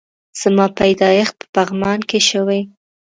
زما پيدايښت په پغمان کی شوي